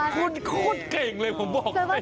คุณเก่งเลยผมบอกให้